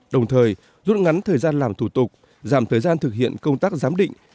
đồng thời rút ngắn thời gian làm thủ tục giảm thời gian thực hiện công tác giám định